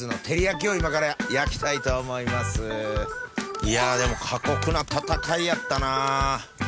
いやでも過酷な闘いやったな。